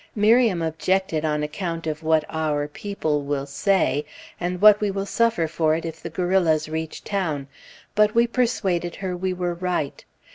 Miriam objected on account of what "our people" will say, and what we will suffer for it if the guerrillas reach town, but we persuaded her we were right....